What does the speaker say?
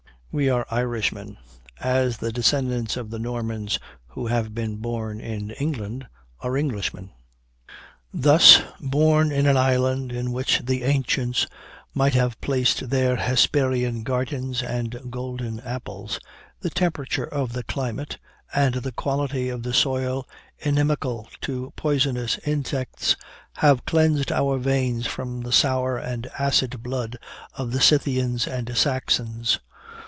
We are Irishmen, as the descendants of the Normans who have been born in England are Englishmen.' "Thus, born in an island in which the ancients might have placed their Hesperian gardens and golden apples, the temperature of the climate, and the quality of the soil inimical to poisonous insects, have cleansed our veins from the sour and acid blood of the Scythians and Saxons.